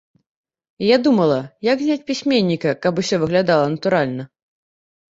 І я думала, як зняць пісьменніка, каб усё выглядала натуральна.